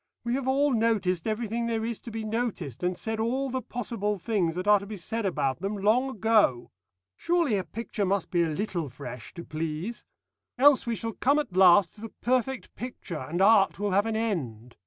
We have all noticed everything there is to be noticed, and said all the possible things that are to be said about them long ago. Surely a picture must be a little fresh to please. Else we shall come at last to the perfect picture, and art will have an end.